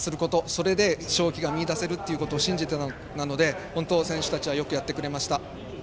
それで勝機が見いだせると信じてなので本当に選手たちはよくやってくれました。